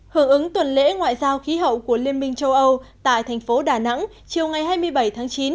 hưởng ứng tuần lễ ngoại giao khí hậu của liên minh châu âu tại thành phố đà nẵng chiều ngày hai mươi bảy tháng chín